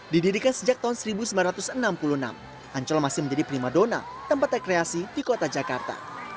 didirikan sejak tahun seribu sembilan ratus enam puluh enam ancol masih menjadi prima dona tempat rekreasi di kota jakarta